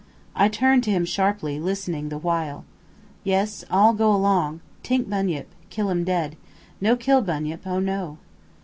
I turned to him sharply, listening the while. "Yes: all go 'long. Tink bunyip. Kill um dead. No kill bunyip. Oh no!"